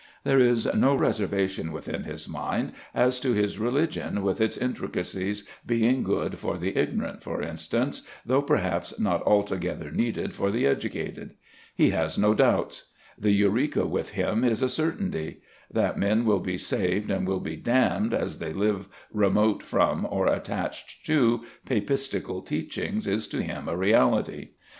There is no reservation within his mind, as to his religion with its intricacies being good for the ignorant, for instance, though perhaps not altogether needed for the educated. He has no doubts. The Eureka with him is a certainty. That men will be saved and will be damned as they live remote from or attached to papistical teachings is to him a reality.